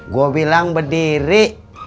gue bilang berdiri